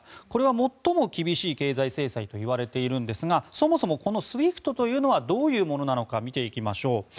これは最も厳しい経済制裁といわれているんですがそのそもこのＳＷＩＦＴというのはどういうものなのか見ていきましょう。